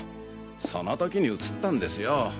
その時に移ったんですよ。